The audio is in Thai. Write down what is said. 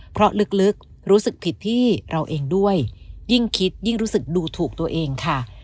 เพราะลึกรู้สึกผิดที่เราเองด้วยยิ่งคิดยิ่งรู้สึกดูถูกตัวเองค่ะ